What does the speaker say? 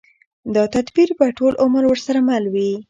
دا تدبير به ټول عمر ورسره مل وي.